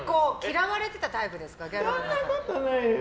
そんなことないです。